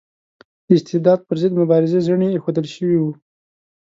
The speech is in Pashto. د استبداد پر ضد مبارزه زڼي ایښودل شوي وو.